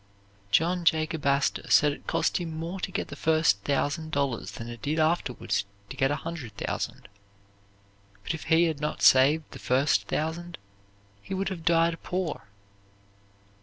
John Jacob Astor said it cost him more to get the first thousand dollars than it did afterwards to get a hundred thousand; but if he had not saved the first thousand, he would have died poor.